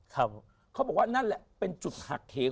เขาบอกว่านั่นแหละเป็นจุดหักเห